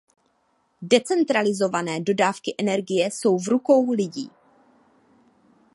Decentralizované dodávky energie jsou v rukou lidí.